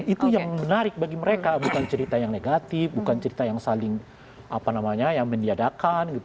itu yang menarik bagi mereka bukan cerita yang negatif bukan cerita yang saling apa namanya yang mendiadakan gitu